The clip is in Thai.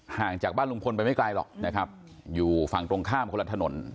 ห่างจากบ้านลุงพลไปไม่ไกลหรอกนะครับอยู่ฝั่งตรงข้ามคนละถนน